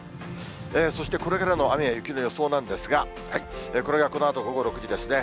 そしてこれからの雨や雪の予想なんですが、これがこのあと午後６時ですね。